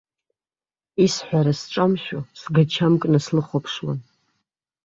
Исҳәара сҿамшәо, сгачамкны слыхәаԥшуан.